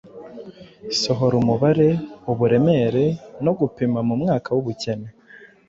Sohora umubare, uburemere, no gupima mumwaka wubukene.